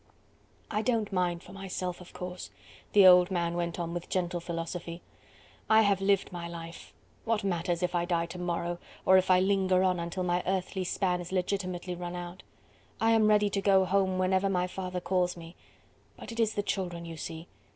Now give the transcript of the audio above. "I don't mind for myself, of course," the old man went on with gentle philosophy. "I have lived my life. What matters if I die to morrow, or if I linger on until my earthly span is legitimately run out? I am ready to go home whenever my Father calls me. But it is the children, you see.